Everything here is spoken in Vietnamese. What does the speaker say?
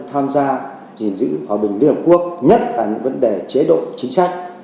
tham gia dình dữ hòa bình liên hợp quốc nhất là những vấn đề chế độ chính sách